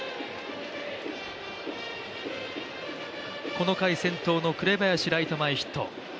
この回、先頭の紅林、ライト前ヒット。